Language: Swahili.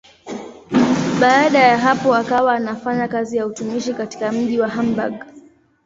Baada ya hapo akawa anafanya kazi ya utumishi katika mji wa Hamburg.